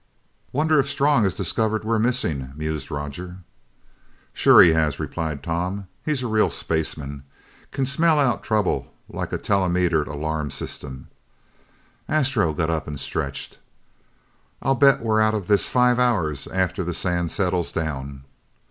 "Wonder if Strong has discovered we're missing?" mused Roger. "Sure he has," replied Tom. "He's a real spaceman. Can smell out trouble like a telemetered alarm system." Astro got up and stretched. "I'll bet we're out of this five hours after the sand settles down."